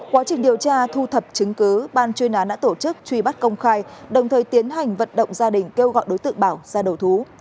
quá trình điều tra thu thập chứng cứ ban chuyên án đã tổ chức truy bắt công khai đồng thời tiến hành vận động gia đình kêu gọi đối tượng bảo ra đầu thú